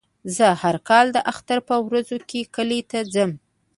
زه هر کال د اختر په ورځو کې کلي ته ځم.